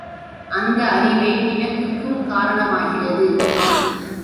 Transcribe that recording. அந்த அறிவே பிணக்குக்கும் காரணமாகிறது.